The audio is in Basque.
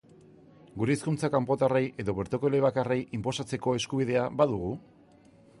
Gure hizkuntza, kanpotarrei edo bertoko elebakarrei, inposatzeko eskubidea badugu?